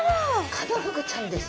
カナフグちゃんです。